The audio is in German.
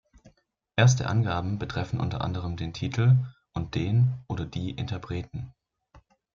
Erste Angaben betreffen unter anderem den Titel und den oder die Interpreten.